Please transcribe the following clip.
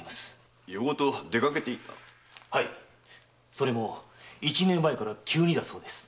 それも一年前から急にだそうです。